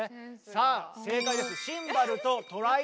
さあ正解です。